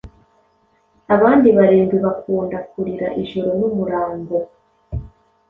Abandi barindwi bakunda kurira ijoro n'umurango